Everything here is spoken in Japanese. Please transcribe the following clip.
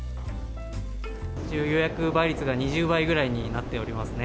予約倍率が２０倍ぐらいになっておりますね。